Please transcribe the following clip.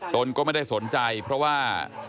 ตนก็ไม่ได้สนใจเพราะว่า